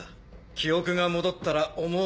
記憶が戻ったら思う